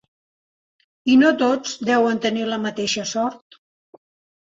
I no tots deuen tenir la mateixa sort.